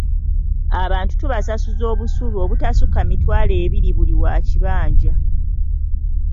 Abantu tubasasuza obusuulu obutasukka mitwalo ebiri buli wa kibanja.